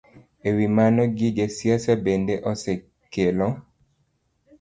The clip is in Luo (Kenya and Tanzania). E wi mano, gige siasa bende osekelo